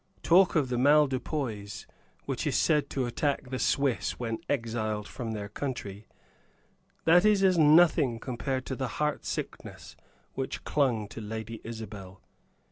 Talk of the mal du pays, which is said to attack the Swiss when exiled from their country that is as nothing compared to the heartsickness which clung to Lady Isabel.